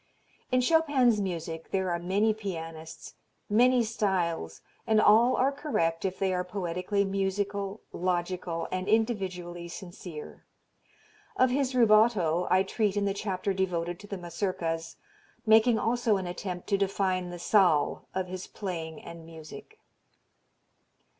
In Chopin's music there are many pianists, many styles and all are correct if they are poetically musical, logical and individually sincere. Of his rubato I treat in the chapter devoted to the Mazurkas, making also an attempt to define the "zal" of his playing and music.